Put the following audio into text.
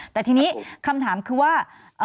แต่ทีนี้คำถามคือว่า